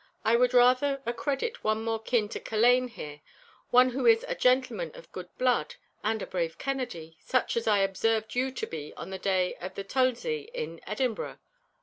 I would rather accredit one more kin to Culzean here, one who is a gentleman of good blood and a brave Kennedy, such as I observed you to be on the day of the tulzie in Edinburgh.